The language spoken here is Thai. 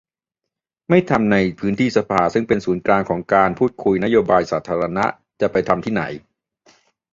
ไม่ทำในพื้นที่สภาซึ่งเป็นศูนย์กลางของการพูดคุยนโยบายสาธารณะ จะไปทำที่ไหน